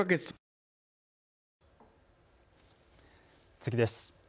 次です。